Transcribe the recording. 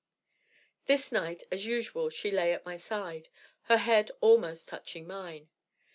This night, as usual, she lay at my side, her head almost touching mine.